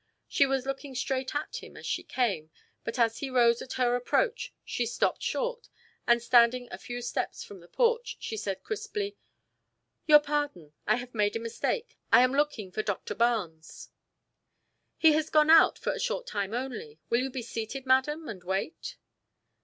She was looking straight at him as she came, but as he rose at her approach, she stopped short, and standing a few steps from the porch, said crisply "Your pardon. I have made a mistake. I am looking for Doctor Barnes." "He has gone out for a short time only. Will you be seated, madam, and wait?"